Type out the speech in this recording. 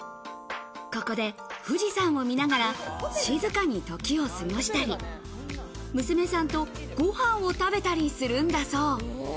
ここで富士山を見ながら静かに時を過ごしたり、娘さんとごはんを食べたりするんだそう。